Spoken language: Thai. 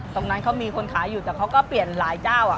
ตรงนั้นเขามีคนขายอยู่แต่เขาก็เปลี่ยนหลายเจ้า